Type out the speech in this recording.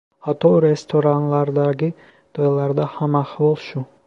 Hatto restoranlardagi to‘ylarda ham ahvol shu.